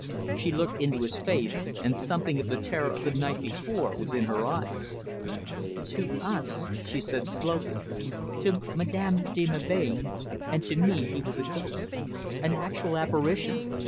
She looked into his face, and something of the terror of the night before was in her eyes. "To us," she said slowly, "to Madame de Melbain and to me, he was a ghost, an actual apparition.